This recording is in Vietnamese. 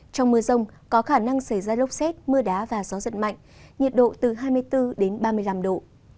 trong mưa rông có khả năng xảy ra lốc xét mưa đá và gió giật mạnh nhiệt độ từ hai mươi bốn đến ba mươi năm độ